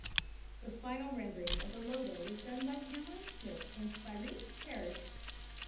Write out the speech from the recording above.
The final rendering of the logo was done by Cameron Smith and Cyrese Parrish.